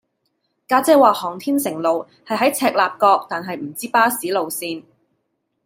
家姐話航天城路係喺赤鱲角但係唔知巴士路線